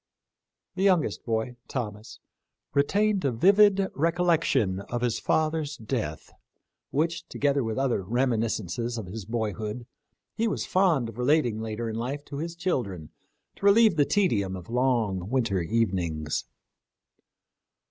The young est boy, Thomas, retained a vivid recollection of his father's death, which, together with other remi niscences of his boyhood, he was fond of relating later in life to his children to relieve the tedium of long winter evenings.